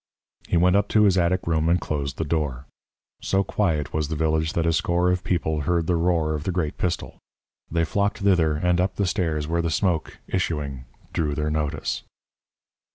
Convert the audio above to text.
He went up to his attic room and closed the door. So quiet was the village that a score of people heard the roar of the great pistol. They flocked thither, and up the stairs where the smoke, issuing, drew their notice.